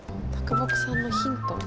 木さんのヒント？